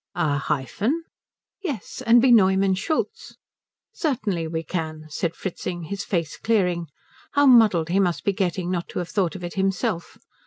"A hyphen?" "Yes, and be Neumann Schultz?" "Certainly we can," said Fritzing, his face clearing; how muddled he must be getting not to have thought of it himself!